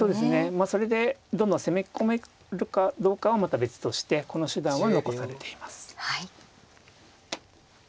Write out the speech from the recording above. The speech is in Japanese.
それでどんどん攻め込めるかどうかはまた別としてこの手段は残されています。